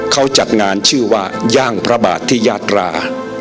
เขาจัดงานชื่อว่าย่างพระบาทที่ยาตรา